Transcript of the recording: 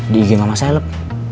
di ig mama selep